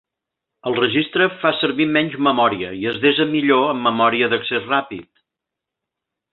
El registre fa servir menys memòria i es desa millor en memòria d'accés ràpid.